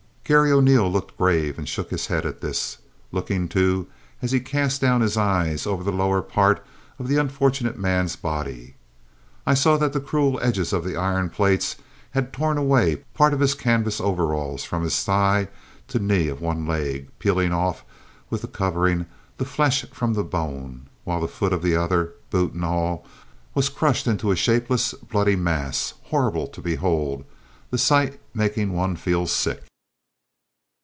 Garry O'Neil looked grave and shook his head at this, and looking too as he cast down his eyes over the lower part of the unfortunate man's body, I saw that the cruel edges of the iron plates had torn away part of his canvas overalls from the thigh to the knee of one leg, peeling off with the covering, the flesh from the bone; while the foot of the other boot and all was crushed into a shapeless bloody mass horrible to behold, the sight making one feel sick.